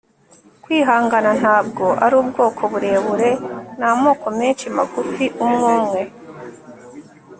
kwihangana ntabwo ari ubwoko burebure; ni amoko menshi magufi umwe umwe